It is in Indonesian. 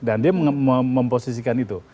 dan dia memposisikan itu